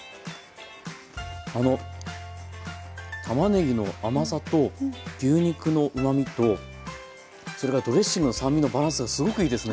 あのたまねぎの甘さと牛肉のうまみとそれからドレッシングの酸味のバランスがすごくいいですね。